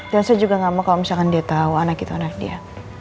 dan saya juga gak mau kalau misalkan dia tahu anak itu anak dia